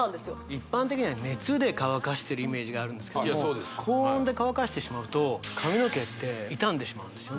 一般的には熱で乾かしてるイメージがあるんですけども高温で乾かしてしまうと髪の毛って傷んでしまうんですよね